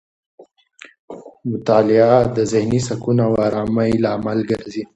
مطالعه د ذهني سکون او آرامۍ لامل ګرځي.